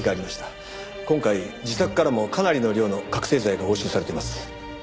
今回自宅からもかなりの量の覚醒剤が押収されています。